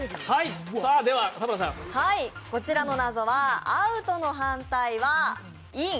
こちらの謎はアウトの反対は「いん」。